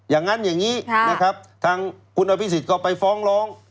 อย่างนั้นอย่างนี้นะครับทางคุณอภิษฎก็ไปฟ้องร้อง